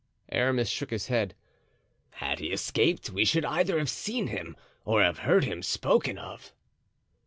Aramis shook his head. "Had he escaped we should either have seen him or have heard him spoken of."